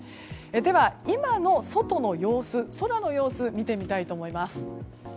では、今の外の様子空の様子を見てみたいと思います。